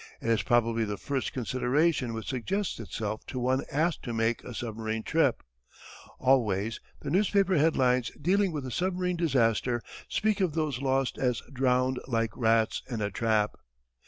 It is probably the first consideration which suggests itself to one asked to make a submarine trip. Always the newspaper headlines dealing with a submarine disaster speak of those lost as "drowned like rats in a trap."